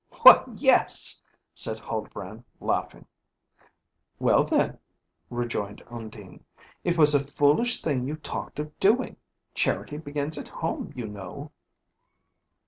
"Why, yes!" said Huldbrand, laughing. "Well then," rejoined Undine, "it was a foolish thing you talked of doing; charity begins at home, you know."